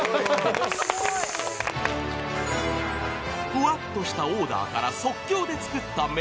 ［ふわっとしたオーダーから即興で作ったメイン料理］